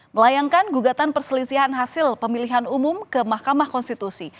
melayangkan gugatan perselisihan hasil pemilihan umum ke mahkamah konstitusi